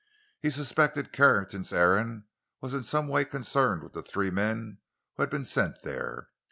He suspected Carrington's errand was in some way concerned with the three men who had been sent there.